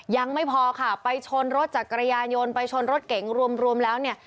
ยังไม่พอค่ะไปชนรถจักรยานยนต์ไปชนรถเก๋งรวมแล้วเนี่ย